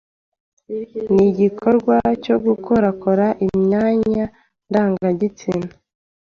ni igikorwa cyo gukorakora imyanya ndangagitsina